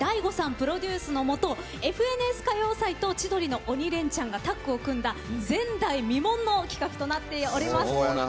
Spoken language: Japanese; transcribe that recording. プロデュースのもと「ＦＮＳ歌謡祭」と「千鳥の鬼レンチャン」がタッグを組んだ前代未聞の企画となっております。